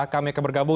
kami akan bergabung